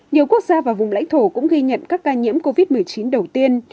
nhiều quốc gia và vùng lãnh thổ cũng ghi nhận các ca nhiễm covid một mươi chín đầu tiên